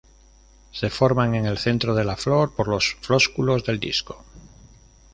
Se forman en el centro de la flor por los flósculos del disco.